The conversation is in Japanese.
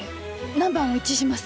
ナンバーも一致します。